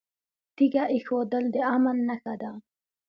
تیږه ایښودل د امن نښه ده